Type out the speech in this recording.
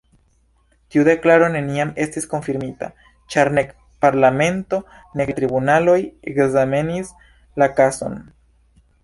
Tiu deklaro neniam estis konfirmita, ĉar nek parlamento nek la tribunaloj ekzamenis la kazon.